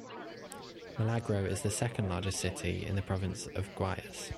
Milagro is the second largest city in the province of Guayas.